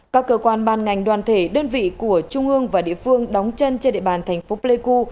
các cơ quan ban ngành đoàn thể đơn vị của trung ương và địa phương đóng chân trên địa bàn thành phố pleiku